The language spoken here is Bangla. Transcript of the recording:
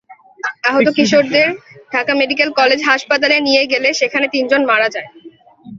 আহত কিশোরদের ঢাকা মেডিকেল কলেজ হাসপাতালে নিয়ে গেলে সেখানে তিনজন মারা যায়।